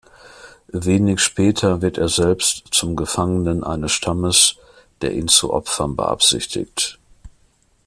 Wenig später wird er selbst zum Gefangenen eines Stammes, der ihn zu opfern beabsichtigt.